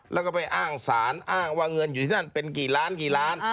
แล้วก็ไปอ้างสารอ้างว่าเงินอยู่ที่นั่นเป็นกี่ล้านกี่ล้าน